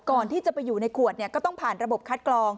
ก่อนที่จะไปอยู่ในขวดเนี่ยก็ต้องผ่านระบบคัดกรอง